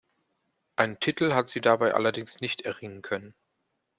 Einen Titel hat sie dabei allerdings nicht erringen können.